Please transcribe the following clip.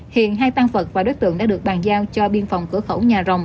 hiện hai tan vật và đối tượng đã được bàn giao cho biên phòng cửa khẩu nhà rồng